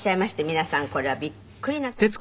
皆さんこれはびっくりなさると思います。